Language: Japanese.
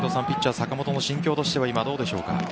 ピッチャーの坂本の心境としてはどうでしょうか。